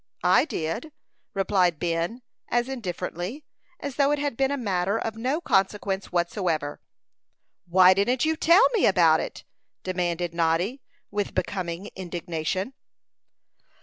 "I did," replied Ben, as indifferently as though it had been a matter of no consequence whatever. "Why didn't you tell me about it?" demanded Noddy, with becoming indignation.